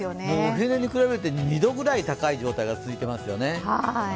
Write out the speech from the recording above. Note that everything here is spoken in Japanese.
平年に比べて２度くらい高い状態が続いています。